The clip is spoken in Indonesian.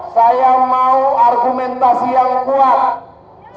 saya mau argumentasi yang kuat